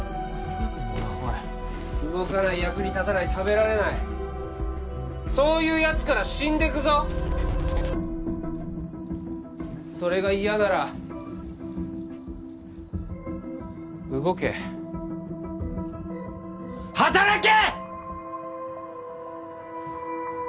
おい動かない役に立たない食べられないそういうやつから死んでくぞそれが嫌なら動け働け！